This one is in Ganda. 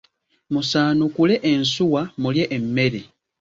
Musaanukule ensuwa mulye emmere.